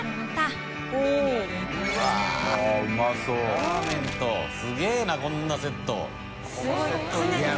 ラーメンとすげぇなこんなセット。